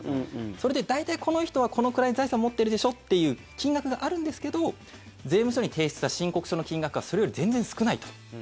それで大体この人はこのくらいの財産持ってるでしょっていう金額があるんですけど税務署に提出した申告書の金額がそれより全然少ないと。